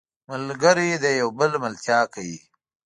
ملګری د یو بل ملتیا کوي